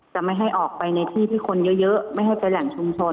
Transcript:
จะไม่ให้ออกไปในที่ที่คนเยอะไม่ให้ไปแหล่งชุมชน